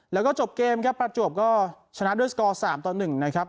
แล้วก็จบเกมครับประจวบก็ชนะด้วยสกอร์๓ต่อ๑นะครับ